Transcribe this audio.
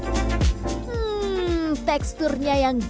hmm teksturnya yang gila